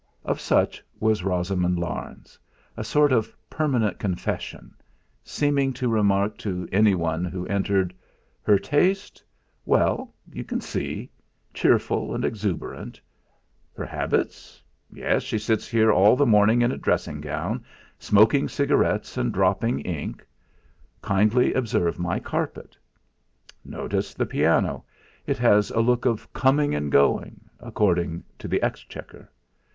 Of such was Rosamund Larne's a sort of permanent confession, seeming to remark to anyone who entered: 'Her taste? Well, you can see cheerful and exuberant; her habits yes, she sits here all the morning in a dressing gown, smoking cigarettes and dropping ink; kindly observe my carpet. Notice the piano it has a look of coming and going, according to the exchequer.